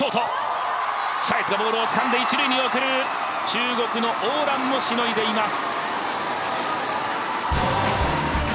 中国の王蘭もしのいでいます。